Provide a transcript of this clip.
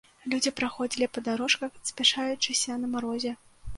Людзі праходзілі па дарожках, спяшаючыся на марозе.